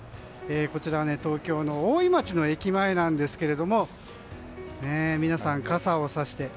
こちらは東京の大井町の駅前なんですが皆さん傘をさして。